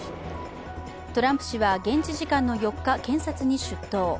トランプ氏は現地時間の４日、検察に出頭。